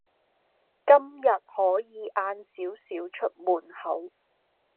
今日可以晏少少出門口